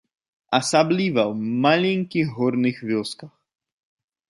Асабліва ў маленькіх горных вёсках.